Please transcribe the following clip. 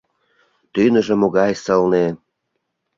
— Тӱныжӧ могай сылне.